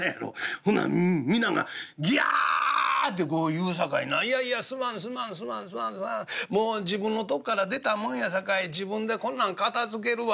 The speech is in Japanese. ほな皆が『ギャ』ってこう言うさかいな『いやいやすまんすまんすまんもう自分のとっこから出たもんやさかい自分でこんなん片づけるわ』